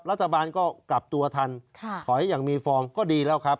รัฐบาลก็กลับตัวทันถอยอย่างมีฟอร์มก็ดีแล้วครับ